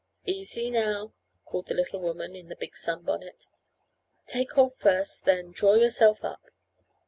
"Easy now," called the little woman in the big sunbonnet. "Take hold first, then draw yourself up."